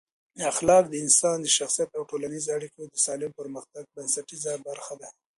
اخلاق د انسان د شخصیت او ټولنیزو اړیکو د سالم پرمختګ بنسټیزه برخه ده.